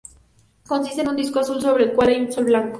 Consiste de un disco azul sobre el cual hay un sol blanco.